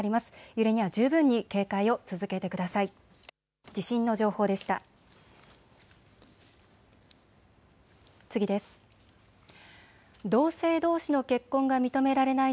揺れには十分に警戒を続けてください。